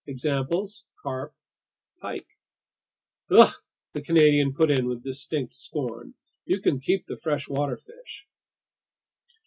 Examples: carp, pike." "Ugh!" the Canadian put in with distinct scorn. "You can keep the freshwater fish!"